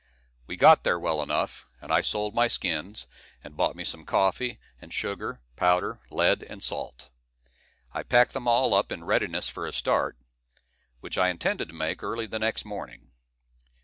We got there well enough, and I sold my skins, and bought me some coffee, and sugar, powder, lead, and salt. I packed them all up in readiness for a start, which I intended to make early the next morning.